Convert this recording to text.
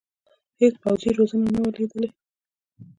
هېڅ پوځي روزنه نه وه لیدلې.